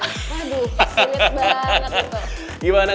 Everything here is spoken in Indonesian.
aduh sulit banget itu